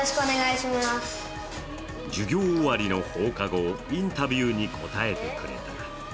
授業終わりの放課後インタビューに応えてくれた。